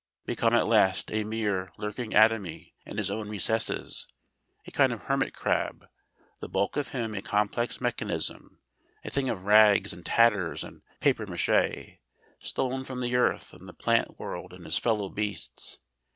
become at last a mere lurking atomy in his own recesses, a kind of hermit crab, the bulk of him a complex mechanism, a thing of rags and tatters and papier maché, stolen from the earth and the plant world and his fellow beasts?